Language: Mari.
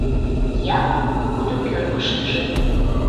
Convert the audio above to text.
Япык кудо кӧргыштыжӧ